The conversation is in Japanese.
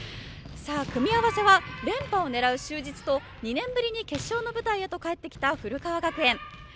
組み合わせは連覇を狙う就実と２年ぶりに決勝の舞台へと帰ってきた古川学園。